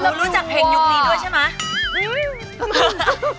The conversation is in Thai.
รู้จักเพลงยุคนี้ด้วยใช่ไหม